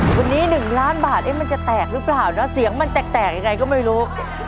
วันนี้๑ล้านบาทมันจะแตกหรือเปล่านะเสียงมันแตกยังไงก็ไม่รู้